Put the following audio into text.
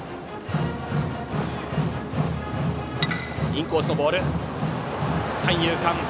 インコースのボール、三遊間。